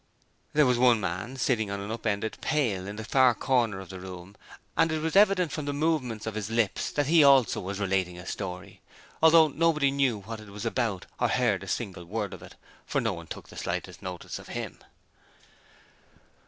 There was one man sitting on an up ended pail in the far corner of the room and it was evident from the movements of his lips that he also was relating a story, although nobody knew what it was about or heard a single word of it, for no one took the slightest notice of him...